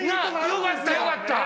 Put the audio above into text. よかったよかった。